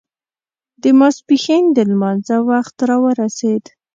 د ماسپښين د لمانځه وخت را ورسېد.